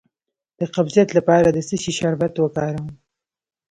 د قبضیت لپاره د څه شي شربت وکاروم؟